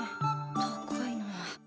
高いな。